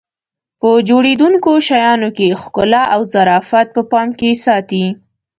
په جوړېدونکو شیانو کې ښکلا او ظرافت په پام کې ساتي.